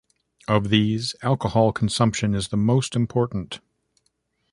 Of these, alcohol consumption is the most important.